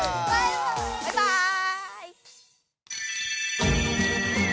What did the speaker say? バイバーイ！